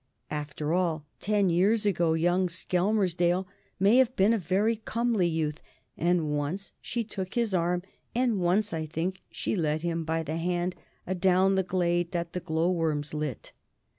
After all, ten years ago young Skelmersdale may have been a very comely youth. And once she took his arm, and once, I think, she led him by the hand adown the glade that the glow worms lit.